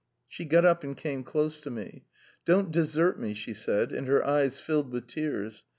She got up and came close to me. " Don'lleave me," she said, and her eyes filled with tears.